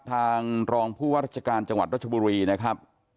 ทางรองผู้ว่าราชการจังหวัดรัชบุรีนะครับ